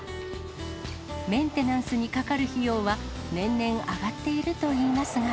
メンテナンスにかかる費用は、年々上がっているといいますが。